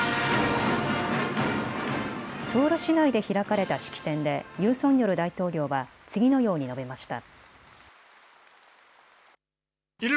ソウル市内で開かれた式典でユン・ソンニョル大統領は次のように述べました。